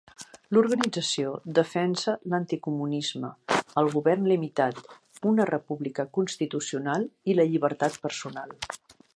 L'organització defensa l'Anticomunisme, el Govern limitat, una República constitucional i la Llibertat personal.